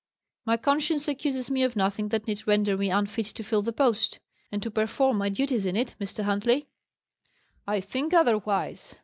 "My conscience accuses me of nothing that need render me unfit to fill the post, and to perform my duties in it, Mr. Huntley." "I think otherwise.